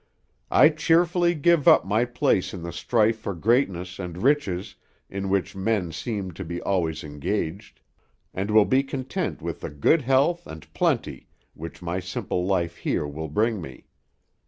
I cheerfully give up my place in the strife for greatness and riches in which men seem to be always engaged, and will be content with the good health and plenty which my simple life here will bring me.